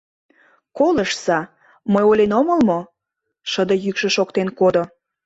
— Колышт-са, мый ойлен омыл мо... — шыде йӱкшӧ шоктен кодо.